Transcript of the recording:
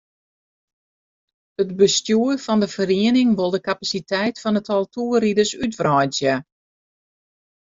It bestjoer fan de feriening wol de kapasiteit fan it tal toerriders útwreidzje.